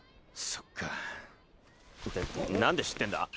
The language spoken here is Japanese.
そっかって何で知ってんだ？